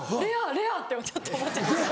レア！ってちょっと思っちゃって。